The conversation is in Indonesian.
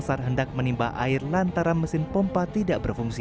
pasar hendak menimba air lantaran mesin pompa tidak berfungsi